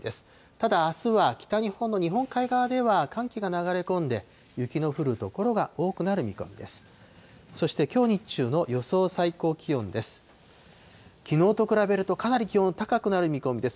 ただ、あすは北日本の日本海側では寒気が流れ込んで、雪の降る所が多くなる見込みです。